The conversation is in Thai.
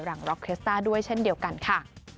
ร็อกเคสต้าด้วยเช่นเดียวกันค่ะ